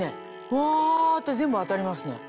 ふわって全部当たりますね。